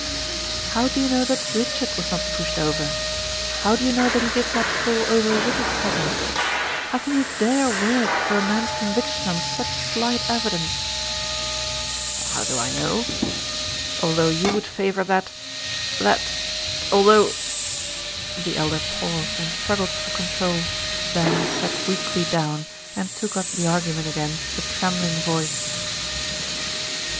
"How do you know that Richard was not pushed over? How do you know that he did not fall over with his cousin? How can you dare work for a man's conviction on such slight evidence?" "How do I know? Although you would favor that that although " The Elder paused and struggled for control, then sat weakly down and took up the argument again with trembling voice.